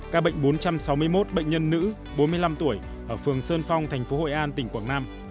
ca bệnh bốn trăm sáu mươi một bệnh nhân nữ bốn mươi năm tuổi ở phường sơn phong thành phố hội an tỉnh quảng nam